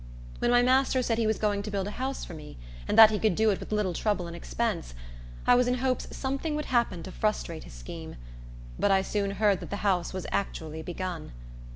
When my master said he was going to build a house for me, and that he could do it with little trouble and expense, I was in hopes something would happen to frustrate his scheme; but I soon heard that the house was actually begun.